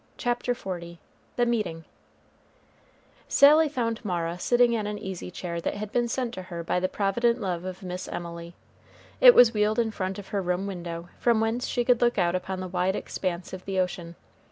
CHAPTER XL THE MEETING Sally found Mara sitting in an easy chair that had been sent to her by the provident love of Miss Emily. It was wheeled in front of her room window, from whence she could look out upon the wide expanse of the ocean.